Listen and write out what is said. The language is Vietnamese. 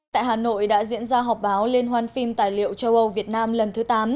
tại hà nội đã diễn ra họp báo liên hoan phim tài liệu châu âu việt nam lần thứ tám